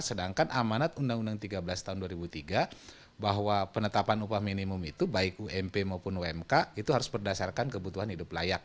sedangkan amanat undang undang tiga belas tahun dua ribu tiga bahwa penetapan upah minimum itu baik ump maupun umk itu harus berdasarkan kebutuhan hidup layak